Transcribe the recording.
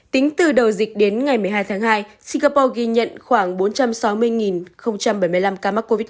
tính từ đầu dịch đến ngày một mươi hai tháng hai singapore ghi nhận khoảng bốn trăm sáu mươi bảy mươi năm ca mắc covid một mươi chín